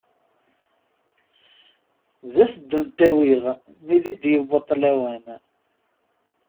D as-d-unt-awiɣ mi di d-yaweṭ lawan.